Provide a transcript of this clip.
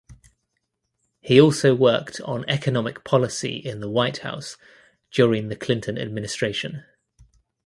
He also worked on economic policy in the White House during the Clinton administration.